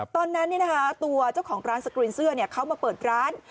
ตอนนั้นตัวเจ้าของร้านสกรีนเสื้อเขามาเปิดร้าน